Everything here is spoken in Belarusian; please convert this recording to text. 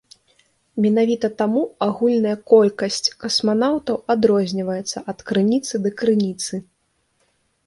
Менавіта таму агульная колькасць касманаўтаў адрозніваецца ад крыніцы да крыніцы.